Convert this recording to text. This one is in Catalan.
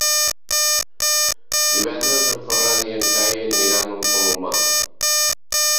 Divendres en Ferran i en Cai aniran al Palomar.